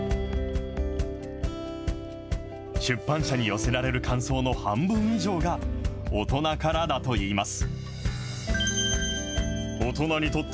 出版社に寄せられる感想の半分以上が大人からだといいます。